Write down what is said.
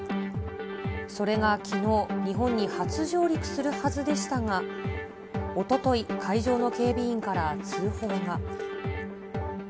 それがきのう、日本に初上陸するはずでしたが、おととい、会場の警備員から通報が。